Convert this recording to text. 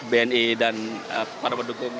bni dan para pendukung